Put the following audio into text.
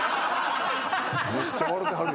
めっちゃ笑うてはる。